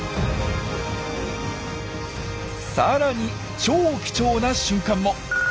さらに超貴重な瞬間も。